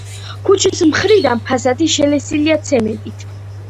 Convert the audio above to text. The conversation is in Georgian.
ქუჩის მხრიდან ფასადი შელესილია ცემენტით.